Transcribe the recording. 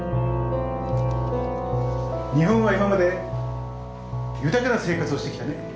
日本は今まで豊かな生活をして来たね。